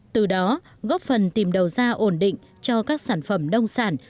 từ đó góp phần tìm đầu ra ổn định cho các sản phẩm nông sản